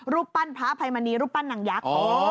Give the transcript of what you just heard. รูปปั้นพระอภัยมณีรูปปั้นนางยักษ์